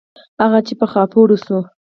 هغه چې په خاپوړو سو.